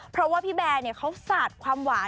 เพราะว่าพี่แบร์เขาสาดความหวาน